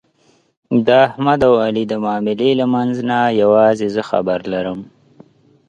د احمد او علي د معاملې له منځ نه یووازې زه خبر لرم.